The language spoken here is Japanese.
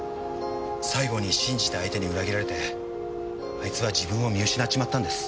最後に信じた相手に裏切られてあいつは自分を見失っちまったんです。